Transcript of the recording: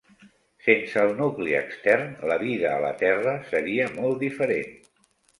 Sense el nucli extern, la vida a la Terra seria molt diferent.